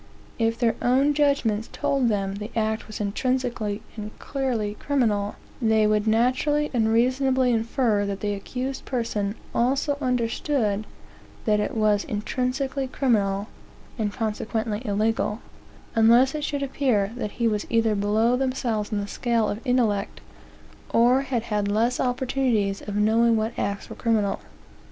If their own judgments told them the act was intrinsically and clearlycriminal, they would naturally and reasonably infer that the accused also understood that it was intrinsically criminal, (and consequently illegal,) unless it should appear that he was either below themselves in the scale of intellect, or had had less opportunities of knowing what acts were criminal.